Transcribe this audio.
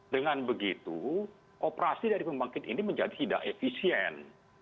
dengan begitu operasi dari pembangkit ini menjadi tidak efisien